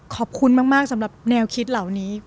ขอบคุณมากสำหรับแนวคิดเหล่านี้